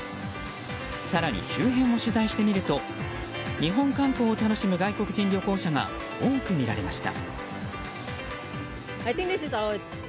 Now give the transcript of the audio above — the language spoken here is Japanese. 更に、周辺を取材してみると日本観光を楽しむ外国人旅行者が多く見られました。